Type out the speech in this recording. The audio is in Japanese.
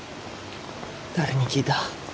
誰に聞いた？